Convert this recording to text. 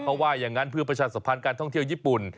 เขาว่าอย่างนั้นเพื่อประชาสัมพันธ์การท่องเที่ยวญี่ปุ่น